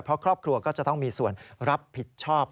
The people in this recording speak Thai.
เพราะครอบครัวก็จะต้องมีส่วนรับผิดชอบ